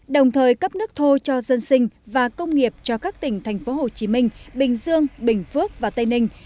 đồng thời cấp nước thô cho dân sinh và công nghiệp cho các tỉnh thành phố hồ chí minh bình dương bình phước và tây ninh